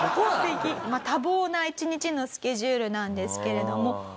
まあ多忙な一日のスケジュールなんですけれども。